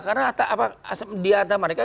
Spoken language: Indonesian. karena di atas mereka